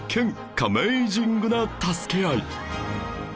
カメイジングな助け合い